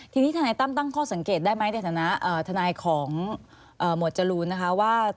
ทีนี้ทนายตั้มตั้งข้อสังเกตได้ไหมในฐานะทนายของหมวดจรูนนะคะว่า